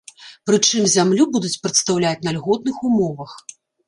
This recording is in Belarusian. Прычым зямлю будуць прадастаўляць на льготных умовах.